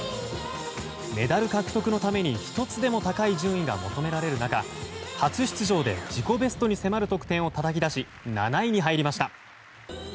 メダル獲得のために１つでも高い順位が求められる中初出場で自己ベストに迫る得点をたたき出し７位に入りました。